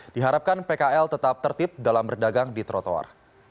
diharapkan pkl tetap tertib dalam berdagang di trotoar